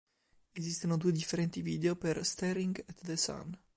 Esistono due differenti video per "Staring at the Sun".